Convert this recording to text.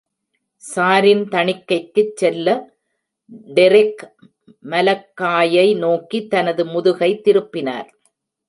சாரின் தணிக்கைக்குச் செல்ல, டெரெக் மலக்காயை நோக்கி தனது முதுகை திருப்பினார்.